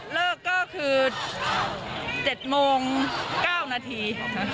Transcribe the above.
เลิกก็คือ๗โมง๙นาที